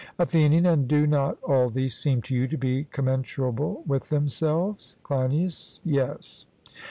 ATHENIAN: And do not all these seem to you to be commensurable with themselves? CLEINIAS: Yes.